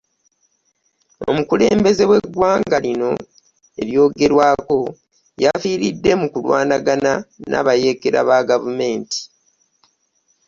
Omukulembeze w'eggwanga lino eryogerwako yafiiridde mu kulwanagana n'abayeekera ba gavumenti.